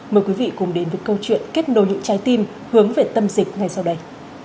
mời quý vị cùng đến với câu chuyện kết nối những trái tim hướng về tâm dịch ngay sau đây